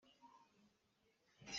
BiakBiak cu ka hawipa a si.